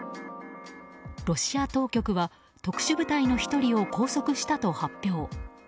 ロシア当局は特殊部隊の１人を拘束したと発表。